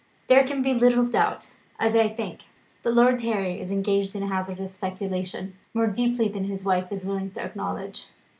There can be little doubt, as I think, that Lord Harry is engaged in a hazardous speculation, more deeply than his wife is willing to acknowledge."